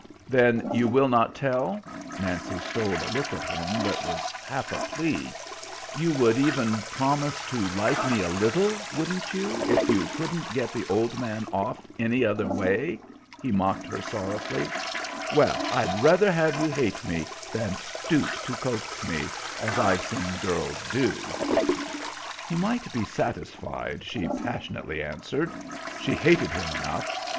"Then you will not tell?" Nancy stole a look at him that was half a plea. "You would even promise to like me a little, wouldn't you, if you couldn't get the old man off any other way?" he mocked her sorrowfully. "Well, I had rather have you hate me than stoop to coax me, as I've seen girls do" He might be satisfied, she passionately answered; she hated him enough.